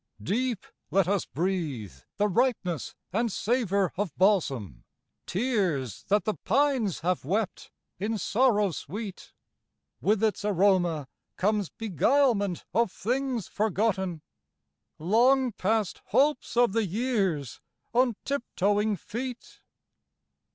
Deep let us breathe the ripeness and savor of balsam, Tears that the pines have wept in sorrow sweet. With its aroma comes beguilement of things forgot ten, Long past hopes of the years on tip toeing feet.